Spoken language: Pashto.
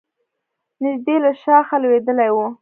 نژدې له شاخه لوېدلی و.